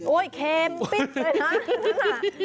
โอ้ยเค็มปิ๊บเลยนะ